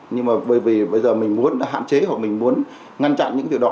nhưng mà bởi vì bây giờ mình muốn hạn chế hoặc mình muốn ngăn chặn những việc đó